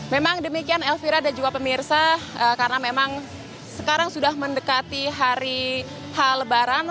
memang demikian elvira dan juga pemirsa karena memang sekarang sudah mendekati hari h lebaran